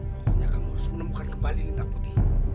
tapi akhirnya kamu harus menemukan kembali lintang putih